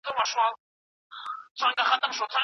بې ځایه خندا بې ضرورته خندا ده.